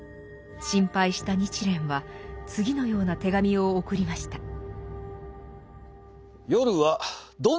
心配した日蓮は次のような手紙を送りました。